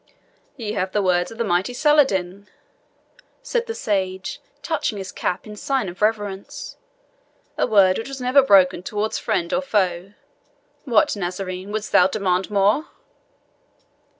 "Ye have the word of the mighty Saladin," said the sage, touching his cap in sign of reverence "a word which was never broken towards friend or foe. What, Nazarene, wouldst thou demand more?"